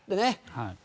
はい。